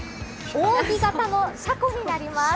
扇形の車庫になります。